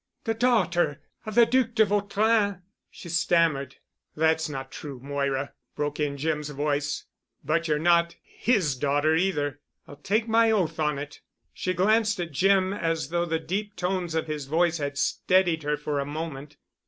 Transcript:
"The daughter—of the Duc de Vautrin?" she stammered. "That's not true, Moira," broke in Jim's voice, "but you're not his daughter either. I'll take my oath on it." She glanced at Jim as though the deep tones of his voice had steadied her for a moment.